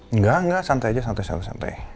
enggak enggak santai aja santai santai santai